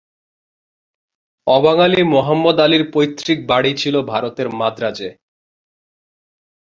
অবাঙালি মোহাম্মদ আলীর পৈতৃক বাড়ি ছিল ভারতের মাদ্রাজে।